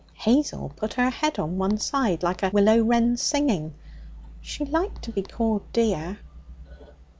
Hazel put her head on one side like a willow wren singing. She liked to be called dear.